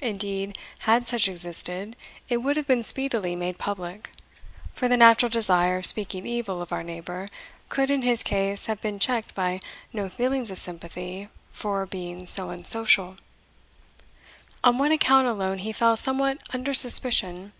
Indeed, had such existed, it would have been speedily made public; for the natural desire of speaking evil of our neighbour could in his case have been checked by no feelings of sympathy for a being so unsocial. On one account alone he fell somewhat under suspicion.